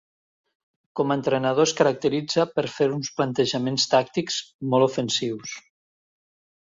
Com a entrenador es caracteritza per fer uns plantejaments tàctics molt ofensius.